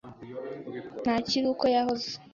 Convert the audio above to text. Ntakiri uko yahoze.